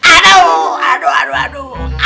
aduh aduh aduh aduh